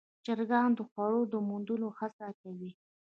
چرګان د خوړو د موندلو هڅه کوي.